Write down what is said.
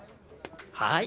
はい。